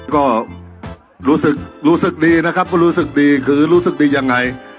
ก็รู้สึกรู้สึกดีนะครับก็รู้สึกดีคือรู้สึกดียังไง